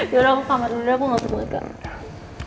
yaudah aku pamit udah aku langsung ke kak